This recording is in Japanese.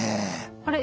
あれ？